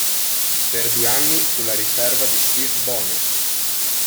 Per due anni fu la riserva di Steve Bono.